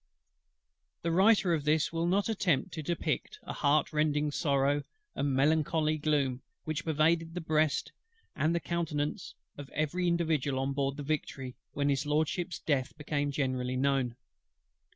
The Writer of this will not attempt to depict the heart rending sorrow, and melancholy gloom, which pervaded the breast and the countenance of every individual on board the Victory when His LORDSHIP'S death became generally known.